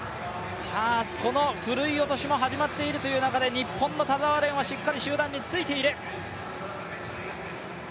そのふるい落としも始まっている中で、日本の田澤廉はしっかり集団についている。